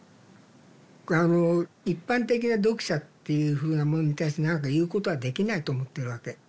あの一般的な読者っていうふうなものに対して何か言うことはできないと思ってるわけ。